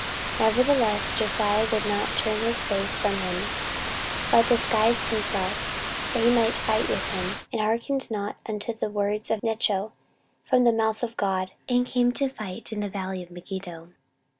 14:035:022 Nevertheless Josiah would not turn his face from him, but disguised himself, that he might fight with him, and hearkened not unto the words of Necho from the mouth of God, and came to fight in the valley of Megiddo.